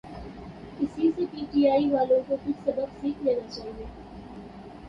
اسی سے P T I والوں کو کچھ سبق سیکھ لینا چاہیے۔